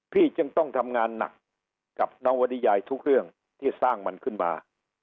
จึงต้องทำงานหนักกับนวริยายทุกเรื่องที่สร้างมันขึ้นมา